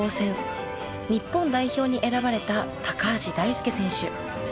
日本代表に選ばれた高橋大輔選手。